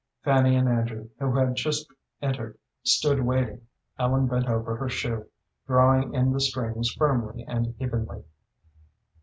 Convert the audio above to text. Fanny and Andrew, who had just entered, stood waiting. Ellen bent over her shoe, drawing in the strings firmly and evenly.